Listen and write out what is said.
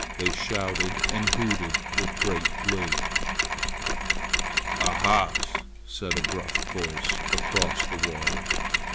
They shouted and hooted with great glee. "Ahas!" said a gruff voice across the water.